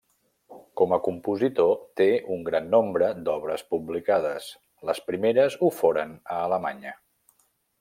Com a compositor té un gran nombre d'obres publicades; les primeres ho foren a Alemanya.